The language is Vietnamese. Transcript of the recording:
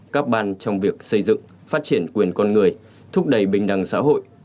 các ban trong việc xây dựng phát triển quyền con người thúc đẩy bình đẳng xã hội